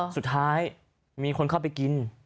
สุดท้ายมีคนเข้าไปกิน